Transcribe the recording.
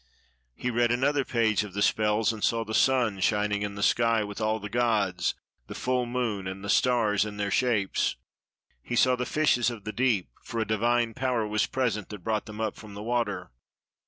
He read another page of the spells, and saw the sun shining in the sky, with all the gods, the full moon, and the stars in their shapes; he saw the fishes of the deep, for a divine power was present that brought them up from the water.